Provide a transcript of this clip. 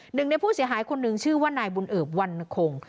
หนึ่งในผู้เสียหายคนหนึ่งชื่อว่านายบุญเอิบวันคง